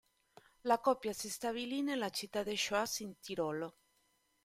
La coppia si stabilì nella città di Schwaz in Tirolo.